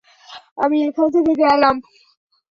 আমি এখান থেকে গেলাম।